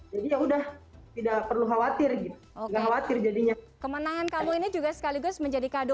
jadi ya udah tidak perlu khawatir khawatir jadinya kemenangan kamu ini juga sekaligus menjadi kado